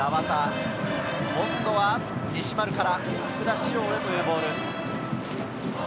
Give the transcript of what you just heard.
西丸から福田師王へというボール。